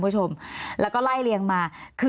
เพราะถ้าเข้าไปอ่านมันจะสนุกมาก